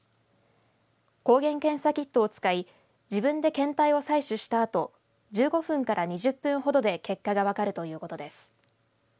抗原検査キットを使い自分で検体を採取したあと１５分から２０分ほどで結果が分かるということです。